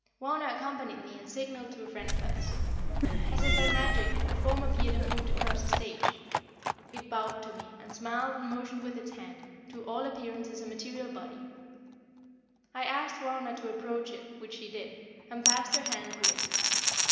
Wauna accompanied me and signaled to a friend of hers. As if by magic a form appeared and moved across the stage. It bowed to me, smiled and motioned with its hand, to all appearances a material body. I asked Wauna to approach it, which she did, and passed her hand through it.